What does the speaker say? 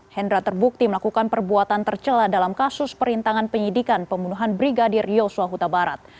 hendra terbukti melakukan perbuatan tercela dalam kasus perintangan penyidikan pembunuhan brigadir yosua huta barat